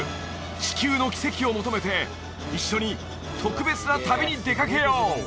地球の奇跡を求めて一緒に特別な旅に出かけよう！